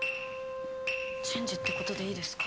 チェンジってことでいいですか？